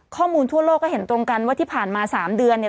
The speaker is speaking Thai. ข้อมูลทั่วโลกก็เห็นตรงกันว่าที่ผ่านมา๓เดือนเนี่ย